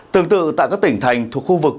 tương tự tại các tỉnh thành thuộc khu vực